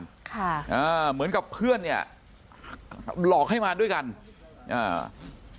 ค่ะอ่าเหมือนกับเพื่อนเนี้ยหลอกให้มาด้วยกันอ่า